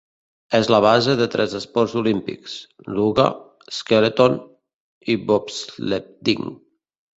És la base de tres esports olímpics: "luge", "skeleton" i "bobsledding".